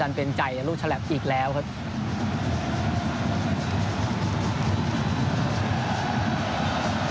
น่ำเป็นใจอันลูกฉะแล๊บอีกแล้วค่ะ